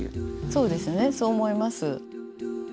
そうですねそう思います。